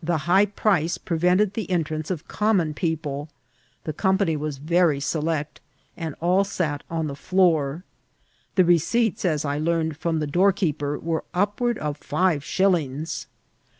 The high price preventing the entrance of comm<Ni people, the company was very select, and all sat on the floor. The receipts, as I learned from the door keeper, were upward of five shillings.